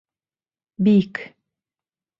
Бик!